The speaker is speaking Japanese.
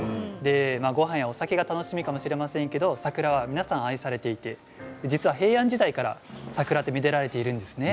ごはんやお酒が楽しみかと思いますが桜は皆さんに愛されていて平安時代から桜は、めでられているんです。